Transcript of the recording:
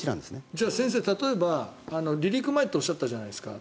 じゃあ先生、例えば離陸前とおっしゃったじゃないですか。